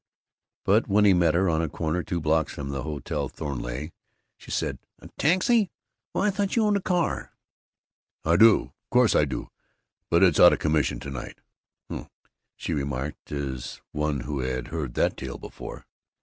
But when he met her, on a corner two blocks from the Hotel Thornleigh, she said, "A taxi? Why, I thought you owned a car!" "I do. Of course I do! But it's out of commission to night." "Oh," she remarked, as one who had heard that tale before.